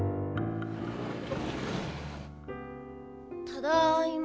ただいま。